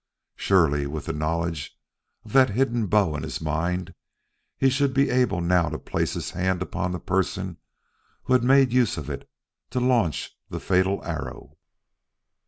Surely, with the knowledge of that hidden bow in his mind, he should be able now to place his hand upon the person who had made use of it to launch the fatal arrow.